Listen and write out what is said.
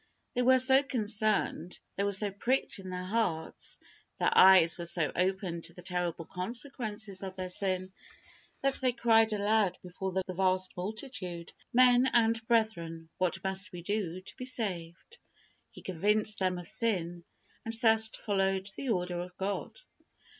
They were so concerned, they were so pricked in their hearts, their eyes were so opened to the terrible consequences of their sin, that they cried aloud before the vast multitude, "Men and brethren, what must we do to be saved?" He convinced them of sin, and thus followed the order of God.